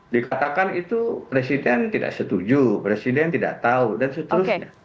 dikatakan itu presiden tidak setuju presiden tidak tahu dan seterusnya